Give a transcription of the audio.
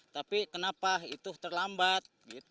tapi kenapa itu terlambat